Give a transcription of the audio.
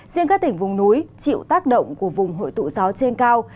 riêng các tỉnh vùng núi chịu tác động của vùng hội tụ gió trên cao